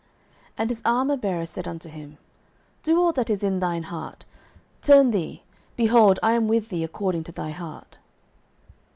09:014:007 And his armourbearer said unto him, Do all that is in thine heart: turn thee; behold, I am with thee according to thy heart.